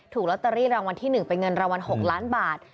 ถูกลอตเตอรี่รางวัลที่๑เป็นเงินรางวัล๖ล้านบาท